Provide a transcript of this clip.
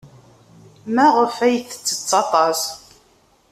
Maɣef ay tettett aṭas?